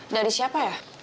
dari siapa ya